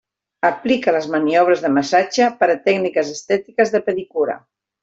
Aplica les maniobres de massatge per a tècniques estètiques de pedicura.